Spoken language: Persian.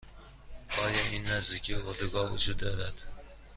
آیا این نزدیکی اردوگاه وجود دارد؟